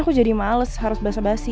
aku jadi males harus basah basi